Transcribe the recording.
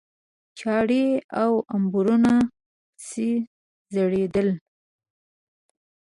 چاړې او امبورونه پسې ځړېدل.